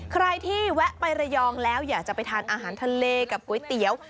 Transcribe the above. ใครที่แวะไประยองแล้วอยากจะไปทานอาหารทะเลกับก๋วยเตี๋ยว